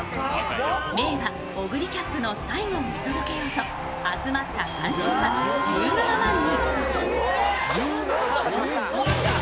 名馬・オグリキャップの最後を見届けようと集まった観客は１７万人。